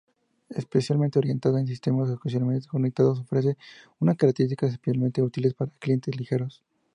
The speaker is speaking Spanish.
Especialmente orientada a sistemas ocasionalmente conectados, ofrece unas características especialmente útiles para clientes ligeros.